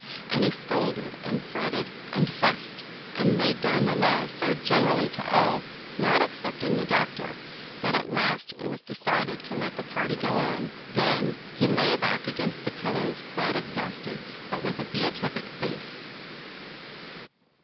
and he scolded, and fretted, and fussed, and laid down the law so generally to all, not excepting the doctor, that at last it was decided to let the party go on. Then he lay back against the pillows quite exhausted, but with a beatific face.